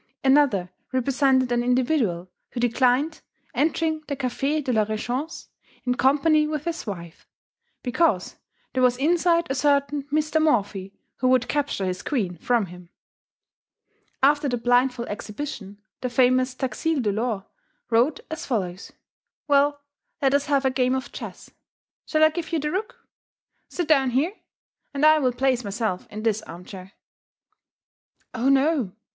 Another represented an individual who declined entering the Café de la Régence in company with his wife, "because there was inside a certain Mr. Morphy who would capture his queen from him." After the blindfold exhibition, the famous Taxile Delord wrote as follows: "Well, let us have a game of chess. Shall I give you the rook? Sit down here, and I will place myself in this arm chair." "Oh, no!